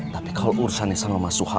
tapi kalau urusan sama mas suha